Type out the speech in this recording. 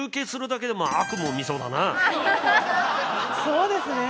そうですね。